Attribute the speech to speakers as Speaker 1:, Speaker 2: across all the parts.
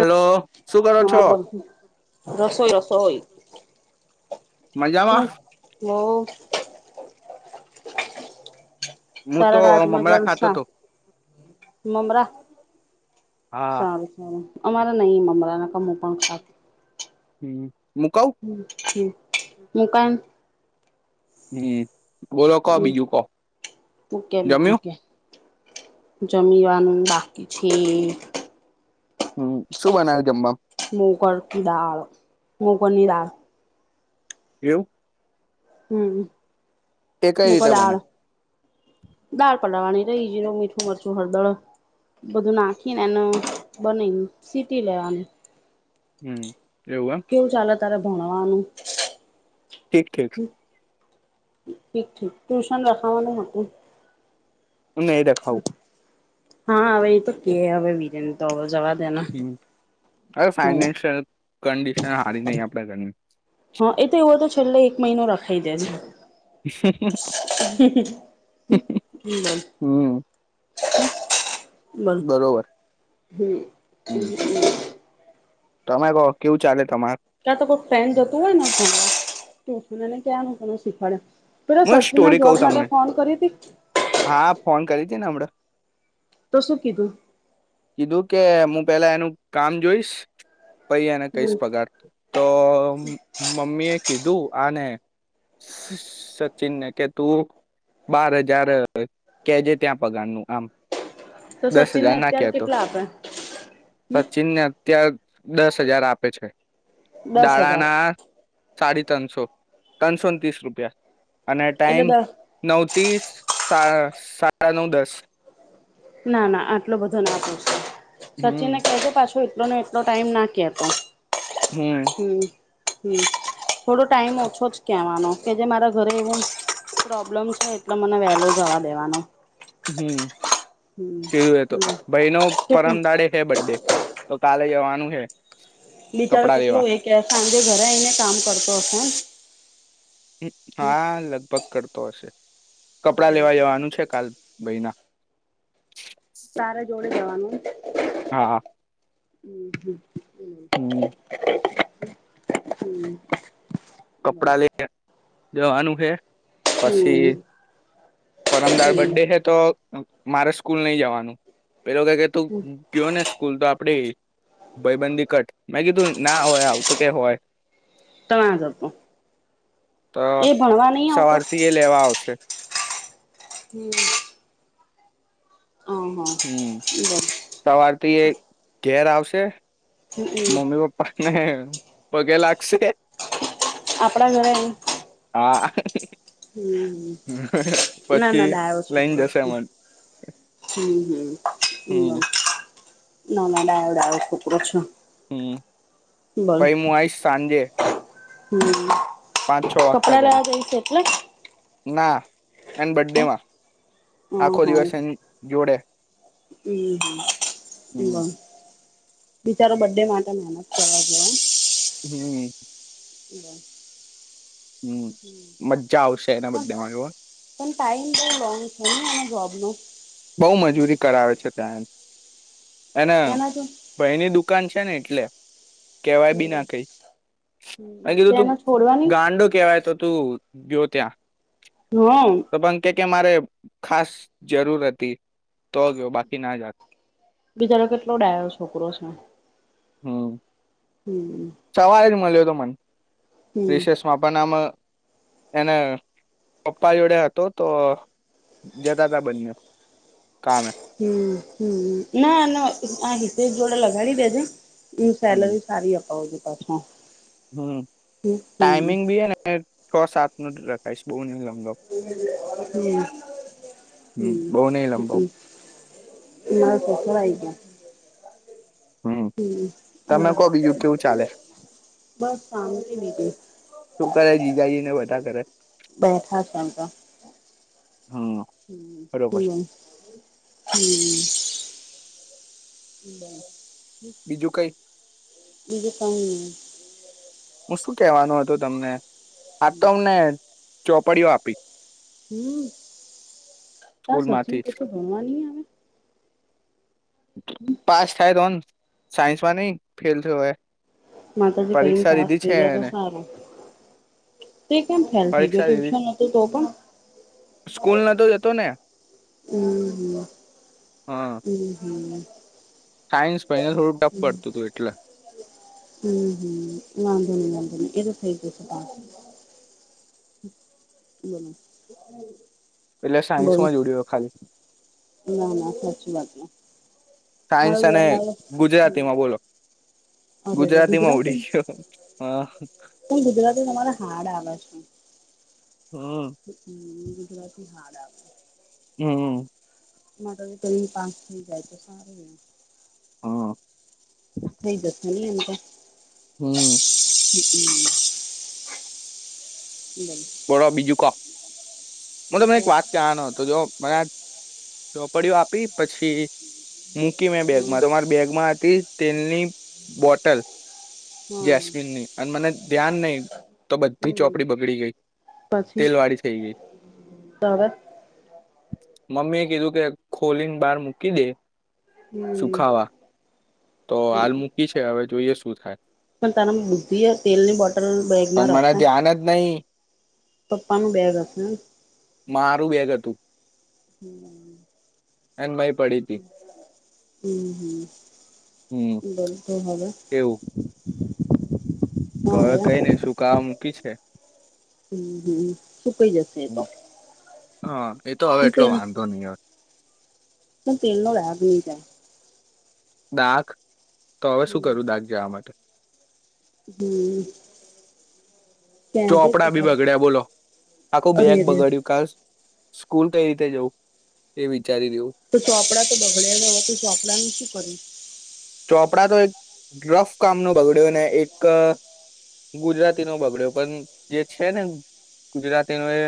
Speaker 1: Hello શું કરો
Speaker 2: હા
Speaker 1: છો
Speaker 2: બસ રસોઈ [unintelligible] થવો ઈ
Speaker 1: મજામાં
Speaker 2: હમમ [unintelligible]
Speaker 1: હું તો
Speaker 2: તારા રાજમા
Speaker 1: મમરા ખાતો
Speaker 2: જલસા
Speaker 1: હતો
Speaker 2: મમરા
Speaker 1: હા
Speaker 2: સારું સારું અમારે નહી મમરાના નું પણ ખાતું
Speaker 1: હમ હું કઉ
Speaker 2: હમ હમ હું કામ
Speaker 1: હમ બોલો કો બીજું કો જમ્યું
Speaker 2: જમવાનુ બાકી છે
Speaker 1: હમ શું બનાવ્યુ જમવા નું
Speaker 2: મોગર કી દાળ મોગરની દાળ
Speaker 1: એવું
Speaker 2: હમ
Speaker 1: એ કઈ
Speaker 2: મુગ
Speaker 1: રીતે
Speaker 2: દાળ
Speaker 1: બને
Speaker 2: દાળ પલાડવાની રહી જીરુ મીઠું મરચું હળદળ બધું નાખીને એને બનીને સીટી લેવાનું
Speaker 1: હમ એવું એમ
Speaker 2: કેવું ચાલે તારે ભણવાનું
Speaker 1: ઠીક ઠીક
Speaker 2: ઠીક ઠીક ટ્યુશન રાખાવાનું હતું
Speaker 1: નહી રખાવું
Speaker 2: હા હવે એ તો કે હવે વિરેન તો જવા દેને
Speaker 1: હ અરે
Speaker 2: તું
Speaker 1: ફાઈનેશિયલ કન્ડિશન હારી નહી આપણા ઘરની
Speaker 2: હા એ તો એવું હોય તો છેલ્લો એક મહિનો રખાઈ દેજે હ
Speaker 1: હમ
Speaker 2: હ બસ
Speaker 1: બરોબર
Speaker 2: હમ
Speaker 1: હમ
Speaker 2: [unintelligible]
Speaker 1: તમે કહો કેવું ચાલે તમારે
Speaker 2: ત્યાં તો કોઈક ફ્રેન્ડ જતું હોય ને ભણવા તેને ક્હેવાનું તમે શીખવાડે પેલા
Speaker 1: હું એક
Speaker 2: સચિનના
Speaker 1: સ્ટોરી કઉ
Speaker 2: જોબ
Speaker 1: તમને
Speaker 2: માટે ફોન કરી હતી
Speaker 1: ઍ ના સાંભળે
Speaker 2: તો શુ કીધુ
Speaker 1: કીધું કે હુ પેલા એનું કામ જોઈશ પછી એને
Speaker 2: હમ
Speaker 1: કહીશ પગાર તો મમ્મી એ કીધું અને સચીનને કે તું બાર હજાર કે જે ત્યાં પગાર નું આમ
Speaker 2: તો
Speaker 1: દસ
Speaker 2: સચિનને
Speaker 1: હજાર
Speaker 2: અત્યારે
Speaker 1: નાખ્યા તો
Speaker 2: કેટલા આપે
Speaker 1: સચિનને અત્યાર દસ હજાર આપે છે
Speaker 2: દસ
Speaker 1: દાડા
Speaker 2: હજાર
Speaker 1: ના સાડી ત્રણસો ત્રણસોને ત્રીસ રૂપિયા અને
Speaker 2: એટલે
Speaker 1: ટાઈમ
Speaker 2: દસ
Speaker 1: નવ ત્રીસ સા સાડા નવ દસ
Speaker 2: ના ના આટલો બધો ના પોશાય સચિન
Speaker 1: હમ
Speaker 2: ને કેજો પાછું પણ મનૅ એટલો ટાઈમ ના કેતો હમ હમ થોડો ટાઈમ ઓછો જ કહેવાનો કે જે મારા ઘરે એવું પ્રોબ્લેમ છે એટલે મને વહેલો જવા દેવાનો
Speaker 1: હમ
Speaker 2: હમ
Speaker 1: કીધું એ તો ભાઈ નો પરમ
Speaker 2: કેટલું
Speaker 1: દાડે છેે બડે તો કાલે જવાનું છે
Speaker 2: બિચારો કેટલો એ કે સાંજે ઘરે આવી ને કામ કરતો હશે ને
Speaker 1: હા લગભગ કરતો હશે કપડા
Speaker 2: બોલ
Speaker 1: લેવા જવાનું છે કાલે ભાઈના
Speaker 2: તારે જોડે જવાનું
Speaker 1: હા
Speaker 2: હમ હ
Speaker 1: હમ
Speaker 2: હમ
Speaker 1: કપડા લઈ ને જવાનું છે પછી પરમ દાડે
Speaker 2: હમ
Speaker 1: બડ્ડે હૈ તો મારે સ્કૂલ નહી જવાનું પેલો કે કે તુ ગયો ને સ્કૂલ તો આપડે ભાયબંધી કટ મે કીધું ના હોય આવું તો કે હોય
Speaker 2: તો ના જતો
Speaker 1: તો
Speaker 2: એ ભણવા નહી આવતો
Speaker 1: સવારથી એ લેવા આવશે
Speaker 2: હમ અ
Speaker 1: હમ
Speaker 2: હ બરાબર
Speaker 1: સવારથી એ ઘેર આવશે
Speaker 2: હ
Speaker 1: મમ્મી પપ્પાને પગે લાગશે
Speaker 2: આપડા ઘરે
Speaker 1: હા.
Speaker 2: હમ
Speaker 1: પછી લઈન જશે મન
Speaker 2: હમ્મ. હમ્મ. ના ના ડાહ્યો ડાહ્યો છોકરો છે.
Speaker 1: હમ્મ. પહી મુ આઈશ સાંજે.
Speaker 2: હમ્મ.
Speaker 1: પાંચ છ વાગતા
Speaker 2: કપડા
Speaker 1: ઘરે
Speaker 2: લેવા જઈશ એટલે?
Speaker 1: ના, એન બડ્ડેમાં.
Speaker 2: હમ
Speaker 1: આખો દિવસ એન જોડે.
Speaker 2: અમ્મ હમ્મ. બ.
Speaker 1: હમ
Speaker 2: બિચારો બડ્ડે માટે મહેનત કરવા જો.
Speaker 1: હમ્મ.
Speaker 2: [unintelligible]
Speaker 1: હમ્મ. મજ્જા આવશે એના
Speaker 2: બોલ પણ
Speaker 1: બડ્ડેમાં જુઓન.
Speaker 2: પણ ટાઈમ તો લોંગ છે ને એના જોબ નો.
Speaker 1: બઉ મજૂરી કરાવે છે ત્યાં એન અને
Speaker 2: એના જો
Speaker 1: ભયની દુ દુકાન છે ન એટલે. કેવાય બી ના કઈ. મે
Speaker 2: તો
Speaker 1: કીધું તું
Speaker 2: એને છોડવાની
Speaker 1: ગાંડો કેવાય તો તું ગ્યો ત્યાં.
Speaker 2: હમ
Speaker 1: તો પન કે કે મારે ખાસ જરૂર તે તો ગયો બાકી ના જાત.
Speaker 2: બિચારો કેટલો ડાયો છોકરો છે.
Speaker 1: હમ્મ.
Speaker 2: હમ
Speaker 1: સવારે જ મલ્યો તો મન.
Speaker 2: હમ
Speaker 1: રીસેસમાં પન આમ એને પપ્પા જોડે હતો તો જતા તા બન્નેવ.
Speaker 2: હમ્મ. હમ્મ. ના ના આ હિસ્સો જોડે લગાડી દેજો. એ સેલરી સારી અપાવ જે પાછો.
Speaker 1: હમ્મ.
Speaker 2: હમ હમ
Speaker 1: ટાઈમિંગ બી હ ને છ સાતનો જ રખાઈશ. બહુ નઈ લવ
Speaker 2: હમ્મ.
Speaker 1: હમ
Speaker 2: હમ્મ.
Speaker 1: બહુ નઈ લંબાવ
Speaker 2: હન્ન. માર છોકરો આઈ ગ્યો.
Speaker 1: હમ. તમે કો
Speaker 2: હમ
Speaker 1: બીજું કેવું ચાલે છે?
Speaker 2: બસ શાંતિ બીજું
Speaker 1: શું કરે જીગાજીને એ બધા? કરે
Speaker 2: બેઠા ચાલતા.
Speaker 1: હમ
Speaker 2: હમ્મ.
Speaker 1: બરોબર
Speaker 2: હમ્મ. હમ્મ. હમ બ.
Speaker 1: બીજું કઈ
Speaker 2: બીજું કાંઈ નઈ.
Speaker 1: હું શું કેવાનો હતો તમને. આ તો અમને ચોપડીઓ આપી.
Speaker 2: હમ્મ. તાં
Speaker 1: સ્કૂલ
Speaker 2: સચિન
Speaker 1: માંથી
Speaker 2: પછી ભણવા નઈ આવે?
Speaker 1: પાસ થાય તો ન. સાયન્સમાં નઈ ફેલ થ્યો એ.
Speaker 2: માતાજી કરીન
Speaker 1: પરીક્ષા
Speaker 2: પાસ
Speaker 1: લીધી છે
Speaker 2: થઈ જાય તો
Speaker 1: એને
Speaker 2: સારું. તે કેમ ફેલ થઈ ગ્યો,
Speaker 1: પરીક્ષા લીધી
Speaker 2: ટ્યુશન હતું તો પણ?
Speaker 1: સ્કૂલ નતો જતો ને
Speaker 2: અમ્મ. હમ્મ.
Speaker 1: હ
Speaker 2: અમ્મ. હમ્મ.
Speaker 1: સાયન્સ ભાઈને થોડું ટફ પડતું તું એટલે.
Speaker 2: હમ્મ. હમ્મ. વાંધો નઈ. વાંધ નઈ. એ તો થઈ જશે પાસ. બોલ.
Speaker 1: એટલે સાયન્સમાં જ ઉડ્યો ખાલી.
Speaker 2: ના. ના. સાચી વાત છે.
Speaker 1: સાયન્સ અને ગુજરાતીમાં બોલો!
Speaker 2: અરેરે
Speaker 1: ગુજરાતીમાં ઉડી
Speaker 2: ગુજરાતી
Speaker 1: ગ્યો. હા.
Speaker 2: પણ ગુજરાતી તમારે હાર્ડ આવે છે.
Speaker 1: હમ
Speaker 2: હન્ન. ગુજરાતી હાર્ડ આવે છે.
Speaker 1: હમ્મ.
Speaker 2: માતાજી કરીન પાસ થઈ જાય તો સારું એમ.
Speaker 1: હા
Speaker 2: થઈ જત [unintelligible]
Speaker 1: હમ
Speaker 2: [inaudible] બોલ
Speaker 1: બોડ બીજું ક હું તમેં એક વાત કવાનો હતો જો મને ચોપડીઓ આપી પછી મૂકી મેં
Speaker 2: હમ
Speaker 1: બેગમાં તમારી બેગમાં હતી તેલની બોટલ જેસમિનની અને મને ધ્યાન નહી તો
Speaker 2: હમ
Speaker 1: બધી
Speaker 2: હમ
Speaker 1: ચોપડી બગડી ગઈ.
Speaker 2: પછી
Speaker 1: તેલ વાળી થઈ ગઈ
Speaker 2: હવે
Speaker 1: મમ્મી એ કીધું કે ખોલીને બહાર મૂકી દે સુખાવા
Speaker 2: હમ
Speaker 1: તો
Speaker 2: હમ
Speaker 1: હાલ મૂકી છે હવે જોઈએ શું થાય?
Speaker 2: પણ તારમા બુદ્ધિ તેલની બોટલ બેગમાં
Speaker 1: પણ મને
Speaker 2: રખાય
Speaker 1: ધ્યાન જ નહી
Speaker 2: પપ્પાનું બેગ હશે ને
Speaker 1: મારું બેગ હતું એને મય પડી હતી
Speaker 2: હમ હમ
Speaker 1: હમ
Speaker 2: બલતો હવે
Speaker 1: એવું તો હવે કઈ ને શુંકાવા મૂકી છે.
Speaker 2: હમ હમ સુુંકઈ જશે એ તો
Speaker 1: હા એતો હવે એટલો વાંધો નહી હવ
Speaker 2: પણ તેલ ના દાગ ની નીકળે
Speaker 1: દાખ તો હવે શું
Speaker 2: હમ
Speaker 1: કરું દાગ જવા માટે?
Speaker 2: હમ કેજે
Speaker 1: ચોપડા
Speaker 2: તું
Speaker 1: બી
Speaker 2: તાર
Speaker 1: બગડ્યા બોલો આખું
Speaker 2: અરે
Speaker 1: બેગ
Speaker 2: રે
Speaker 1: બગાડ્યું કાસ સ્કૂલ કઈ રીતે જવું? એવી
Speaker 2: તો ચોપડા તો બગડે લ હોય તો ચોપડાનું શું કરું
Speaker 1: ચોપડા તો એક રફ કામ ન બગડ્યો ને એક ગુજરાતી નો બગડ્યો પણ જે છે ને ગુજરાતી નો એ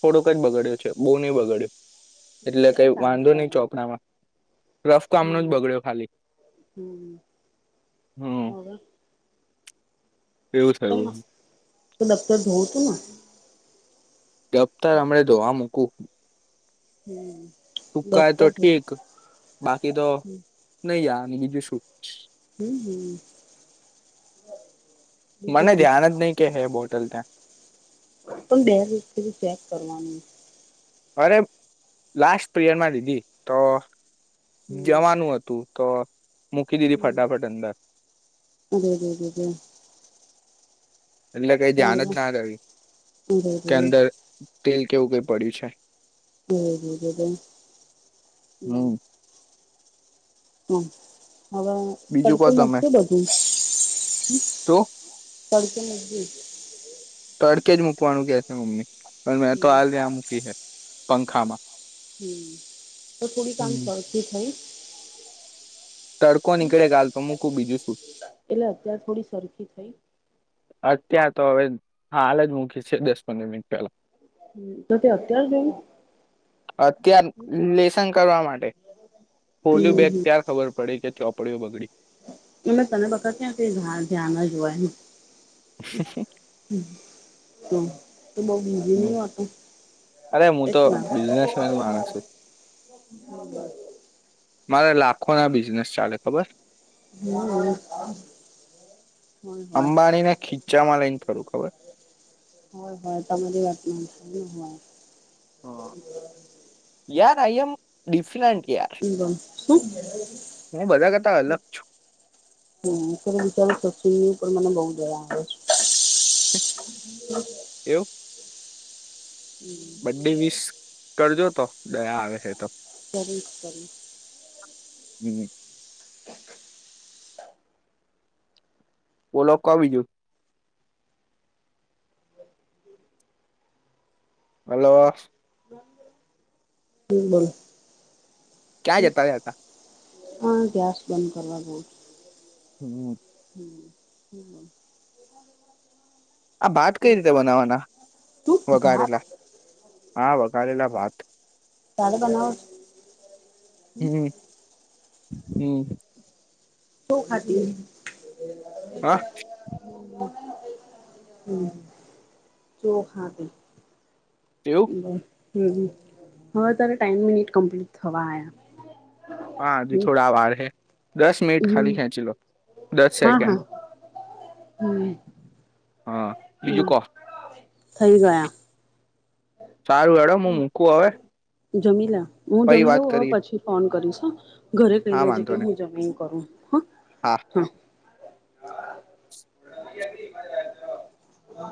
Speaker 1: થોડુક જ બગાડ્યું છે બો ની બગાડ્યું એટલે
Speaker 2: એ તો
Speaker 1: કઈ
Speaker 2: ચાલશે
Speaker 1: વાંધો
Speaker 2: હવે
Speaker 1: નહી ચોકડામાં રફ કામનું જ
Speaker 2: હમ
Speaker 1: બગડ્યો ખાલી
Speaker 2: હમ
Speaker 1: હમ
Speaker 2: ઓર
Speaker 1: એવું થયું
Speaker 2: ડફતર ધવ તું ના
Speaker 1: ગફ્તર હમેં ધોવા મૂકું
Speaker 2: હમ
Speaker 1: સુકાય તો
Speaker 2: દફતર ધોવું
Speaker 1: ઠીક બાકી તો નહી અને બીજું શું?
Speaker 2: હમ હમ
Speaker 1: મને
Speaker 2: બીજું
Speaker 1: ધ્યાન જ નહી કે હે બોટલ ત્યાં
Speaker 2: પણ બે દિવસ સુધી ચેક કરવાનું
Speaker 1: અરે લાસ્ટ પીરયડમાં દીદી તો
Speaker 2: હમ
Speaker 1: જવાનું હતું તો મૂકી દીધી
Speaker 2: હમ
Speaker 1: ફટાફટ અંદર
Speaker 2: અરે રે રે રે
Speaker 1: એટલે કઈ
Speaker 2: અરે
Speaker 1: ધ્યાન
Speaker 2: રે
Speaker 1: જ ના ર
Speaker 2: અરે
Speaker 1: કે અંદર તેલ કેવું કઈ પડ્યું છે
Speaker 2: હમ [inaudible] હમ હા હવે
Speaker 1: બીજું
Speaker 2: તડકે
Speaker 1: કહો તમે
Speaker 2: મુકત બધું
Speaker 1: શું
Speaker 2: તડકે મૂકજે
Speaker 1: તડકે જ મૂકવાનું કે છે મમ્મી પણ મેં તો
Speaker 2: હમ
Speaker 1: હાલ્યા મૂકી હે પંખામાં
Speaker 2: હમ તો થોડી આમ
Speaker 1: હમ
Speaker 2: સરખુ થયું
Speaker 1: તડકો
Speaker 2: હમ
Speaker 1: નીકળે હાલ તો મૂકું બીજું શું
Speaker 2: એટલે અત્યાર થોડી સરખી થઈ
Speaker 1: અત્યાર તો હવે હાલ જ મૂકી છે દસ પંદર મિનિટ પેલા
Speaker 2: તો તે અત્યાર [unintelligible]
Speaker 1: અત્યાર લેસન કરવા માટે હોલુ
Speaker 2: હમ
Speaker 1: બેગ ત્યાર ખબર પડી કે ચોપડીઓ બગડી
Speaker 2: મે તને વખત ત્યાં ક ધ્યા ના જોવાય ને. તો તો બઉ બીઝી
Speaker 1: હમ
Speaker 2: નહી વાતું.
Speaker 1: અરે હું તો
Speaker 2: એટલા
Speaker 1: બિઝનેસમેન માણસ છું મારે લાખો ના બિઝનેસ ચાલે ખબર
Speaker 2: હોય
Speaker 1: [unintelligible]
Speaker 2: હોય
Speaker 1: અંબાણીને ખીચામાં લઈને ફરુ. ખબર.
Speaker 2: હ હ તમારે ના હોય.
Speaker 1: યાર આઈ એમ ડિફરન્ટ. યાર
Speaker 2: એ ગમે
Speaker 1: હું
Speaker 2: છે.
Speaker 1: બધા કરતા અલગ
Speaker 2: હા
Speaker 1: છું
Speaker 2: તો વિચારી સું. ચમ ઉપર મને બહુ જ.
Speaker 1: એવું. બર્થ ડે વીસ કરજો તો દયા આવે છે તો.
Speaker 2: બહુ કરી.
Speaker 1: હીમ.
Speaker 2: હ.
Speaker 1: બોલો કો બીજું. હલો.
Speaker 2: હમ બોલ.
Speaker 1: ક્યાં જતા રહયા હતા.
Speaker 2: હા ગેસ બંધ કરવા ગઈ હતી.
Speaker 1: હમ.
Speaker 2: [unintelligible]
Speaker 1: આ ભાત કઈ રીતે બનાવવાના
Speaker 2: તું ભાત
Speaker 1: વધારેલા હા વધારેલા ભાત.
Speaker 2: તારે બનાવો છે.
Speaker 1: હમ હમ.
Speaker 2: બહું ખાતી
Speaker 1: હા.
Speaker 2: હમ ચોખા ને.
Speaker 1: એવું
Speaker 2: હમ હવે તને ત્રણ મિનિટ કમ્પ્લીટ થવા આયા.
Speaker 1: હા જી થોડા વાળ હૈ. દસ મિનિટ
Speaker 2: હમ
Speaker 1: ખાલી ખેંચ લો દસ
Speaker 2: હા હા
Speaker 1: સેકન્ડ.
Speaker 2: હમ
Speaker 1: હા બીજું કહો.
Speaker 2: થઈ ગયા.
Speaker 1: સારું હેડો હું મૂકું હવે.
Speaker 2: જમી લો. હું
Speaker 1: પહી
Speaker 2: જમી
Speaker 1: વાત
Speaker 2: લઉં હવે
Speaker 1: કરીએ
Speaker 2: પછી ફોન કરીશ હ ઘરે કહી
Speaker 1: હા
Speaker 2: દેજે કે
Speaker 1: વાંધો નહી
Speaker 2: હું જમી કરું હ
Speaker 1: હા
Speaker 2: હા મજા.